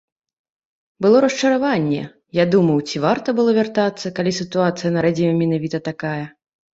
Было расчараванне, я думаў, ці варта было вяртацца, калі сітуацыя на радзіме менавіта такая.